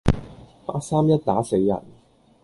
八三一打死人